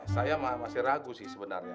saya masih ragu sih sebenarnya